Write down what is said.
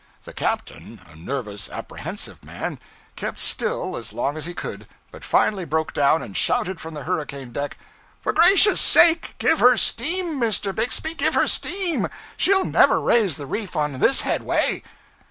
The captain, a nervous, apprehensive man, kept still as long as he could, but finally broke down and shouted from the hurricane deck 'For gracious' sake, give her steam, Mr. Bixby! give her steam! She'll never raise the reef on this headway!'